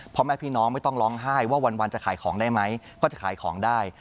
พ่อแม่พี่น้องไม่ต้องร้องไห้ว่าวันจะขายของได้ไหมก็จะขายของได้